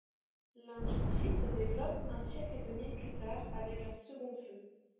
L'industrie se développe un siècle et demi plus tard avec un second feu.